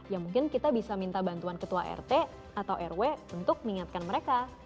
ya mungkin kita bisa minta bantuan ketua rt atau rw untuk mengingatkan mereka